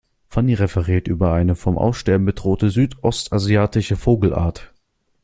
Fanny referiert über eine vom Aussterben bedrohte südostasiatische Vogelart.